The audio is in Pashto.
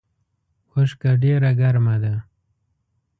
اوښکه ډیره ګرمه ده